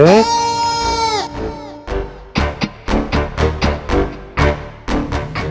sekarang rambut saya masih pendek